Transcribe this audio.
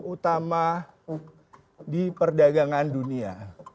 utama di perdagangan dunia